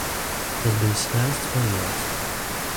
Tas bija skaists periods.